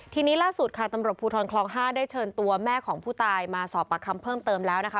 ทีนี้ล่าสุดค่ะตำรวจภูทรคลอง๕ได้เชิญตัวแม่ของผู้ตายมาสอบปากคำเพิ่มเติมแล้วนะคะ